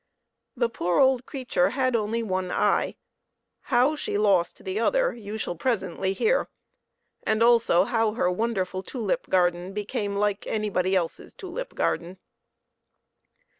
The poor old creature had only one eye ; how she lost the other you shall presently hear, and also how her won derful tulip garden became like anybody else's tulip garden.